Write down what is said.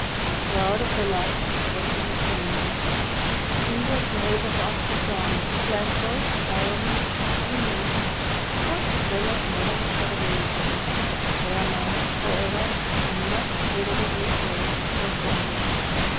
A crowd of fellahs was in attendance, eager to help us up and down, to climb both Pyramids in ten minutes, or to sell us modem scarabcei. They are now, however, a much better behaved race than formerly.